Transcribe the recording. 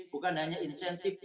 bukan hanya insentif penelitian sakit